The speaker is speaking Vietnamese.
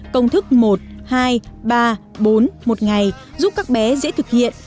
công thức một hai ba bốn một ngày giúp các bé dễ thực hiện